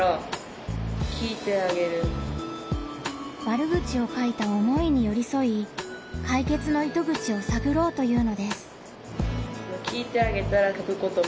悪口を書いた思いによりそい解決の糸口を探ろうというのです。